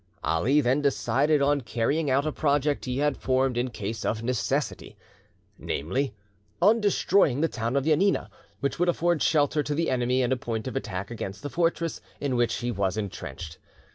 Ali then decided on carrying out a project he had formed in case of necessity, namely, on destroying the town of Janina, which would afford shelter to the enemy and a point of attack against the fortresses in which he was entrenched.